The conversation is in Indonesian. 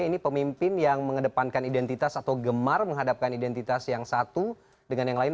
ini pemimpin yang mengedepankan identitas atau gemar menghadapkan identitas yang satu dengan yang lain